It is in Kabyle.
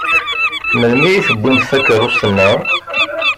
Melmi i tewwimt takeṛṛust-nneɣ?